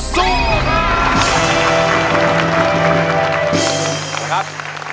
สู้ครับ